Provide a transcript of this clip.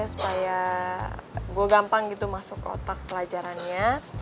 supaya gue gampang gitu masuk otak pelajarannya